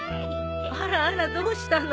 あらあらどうしたの？